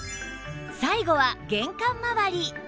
最後は玄関まわり